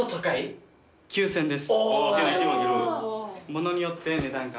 ものによって値段が。